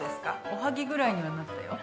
おはぎぐらいにはなったよ。